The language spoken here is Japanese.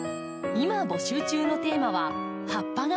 今募集中のテーマは「葉っぱがステキ！」。